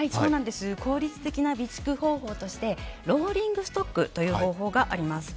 効率的な備蓄方法としてローリングストックという方法があります。